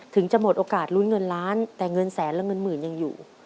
จะหมดโอกาสลุ้นเงินล้านแต่เงินแสนและเงินหมื่นยังอยู่